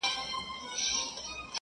• بیا یې پورته تر اسمانه واویلا وي ,